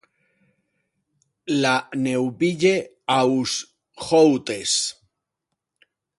La Neuville-aux-Joûtes